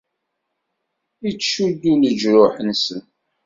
Ittcuddu leǧruḥ-nsen.